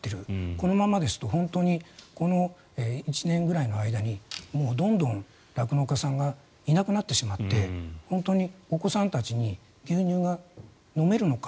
このままですとこの１年くらいの間にもうどんどん酪農家さんがいなくなってしまって本当にお子さんたちに牛乳が飲めるのか